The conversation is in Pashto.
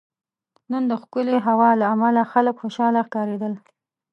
نن دښکلی هوا له عمله خلک خوشحاله ښکاریدل